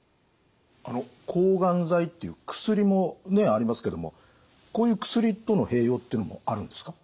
あの抗がん剤っていう薬もありますけどもこういう薬との併用っていうのもあるんですか？